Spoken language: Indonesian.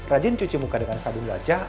rajin cuci muka dengan sabun gajah